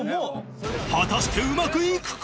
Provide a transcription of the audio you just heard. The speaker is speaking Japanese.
果たしてうまく行くか？